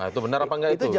nah itu benar apa nggak itu